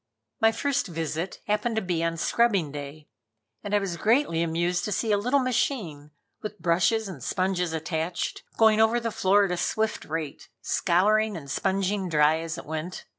My first visit happened to be on scrubbing day, and I was greatly amused to see a little machine, with brushes and sponges attached, going over the floor at a swift rate, scouring and sponging dry as it went.